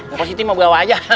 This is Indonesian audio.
nih mpok siti mau bawa aja